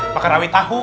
makan rawit tahu